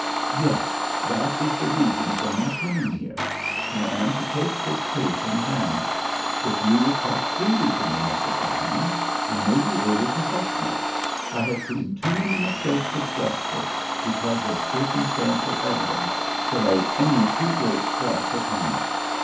"Yes, that is the reason for my coming here. I am to take this case in hand. If you will talk freely to me, Mr. Graumann, I may be able to help you. I have seen too many mistakes of justice because of circumstantial evidence to lay any too great stress upon it.